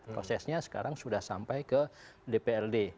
prosesnya sekarang sudah sampai ke dprd